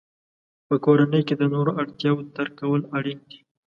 په کورنۍ کې د نورو اړتیاوو درک کول اړین دي.